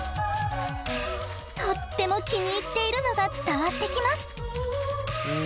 とっても気に入っているのが伝わってきます。